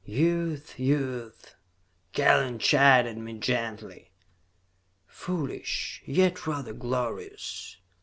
"Youth! Youth!" Kellen chided me gently. "Foolish, yet rather glorious.